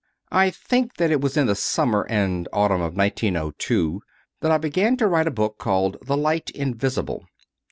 I think that it was in the summer and au tumn of 1902 that I began to write a book called "The Light Invisible."